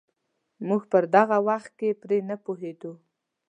موږ په دغه وخت کې پرې نه پوهېدو.